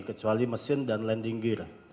kecuali mesin dan landing